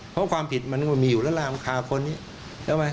เพราะความผิดมันก็มีอยู่ละล่ะมันขาวคนนี้เห็นไหม